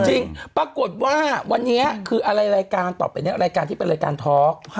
จริงปรากฏว่าวันนี้คืออะไรรายการต่อไปนี้รายการที่เป็นรายการทอล์ก